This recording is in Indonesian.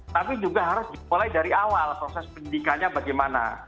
tapi juga harus dimulai dari awal proses penyidikannya bagaimana